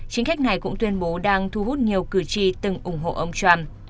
chính khách này cũng tuyên bố đang thu hút nhiều cử tri từng ủng hộ ông trump